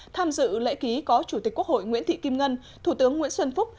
tham dự lễ ký có chủ tịch quốc hội nguyễn thị kim ngân thủ tướng nguyễn xuân phúc